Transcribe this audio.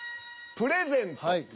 「プレゼント」？